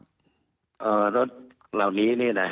ตรวจสภาพรถเหล่านี้นะฮะ